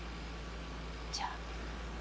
じゃあ。